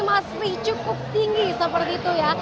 masih cukup tinggi seperti itu ya